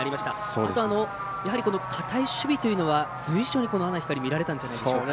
あと、堅い守備というのは随所に阿南光に見られたんじゃないでしょうか。